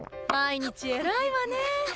毎日偉いわねえ。